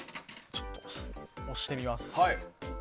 押してみます。